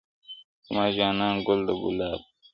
زما جانان ګل د ګلاب دی٫